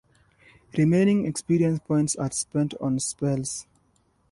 Remaining experience points are spent on spells.